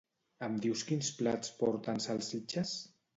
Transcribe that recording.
Em dius quins plats porten salsitxes.